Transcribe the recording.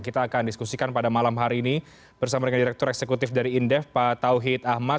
kita akan diskusikan pada malam hari ini bersama dengan direktur eksekutif dari indef pak tauhid ahmad